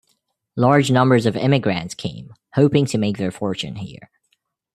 Large numbers of immigrants came, hoping to make their fortune here.